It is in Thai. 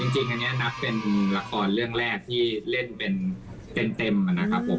จริงอันนี้นับเป็นละครเรื่องแรกที่เล่นเป็นเต็มนะครับผม